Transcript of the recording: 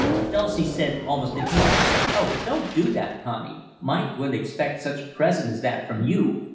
Dulcie said almost at once: 'Oh, don't do that, Connie. Mike wouldn't expect such a present as that from you.